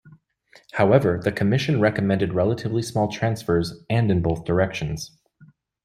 However, the Commission recommended relatively small transfers, and in both directions.